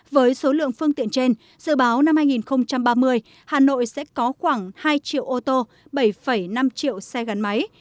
với số lượng phương tiện trên dự báo năm hai nghìn ba mươi hà nội sẽ có khoảng hai triệu ô tô bảy năm triệu xe gắn máy